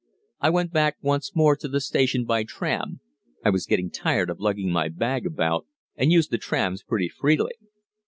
I went back once more to the station by tram (I was getting tired of lugging my bag about, and used the trams pretty freely).